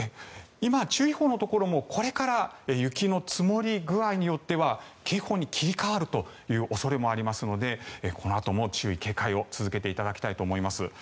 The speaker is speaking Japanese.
今、注意報のところも、これから雪の積もり具合によっては警報に切り替わるという恐れもありますのでこのあとも注意・警戒を続けていただきたいと思います。